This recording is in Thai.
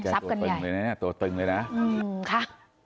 ซับกันใหญ่อืมค่ะตัวตึงเลยนะ